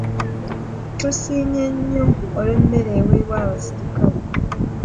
Tusiimye nnyo olw'emmere eweebwa abasirikale.